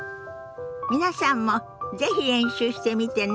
皆さんも是非練習してみてね。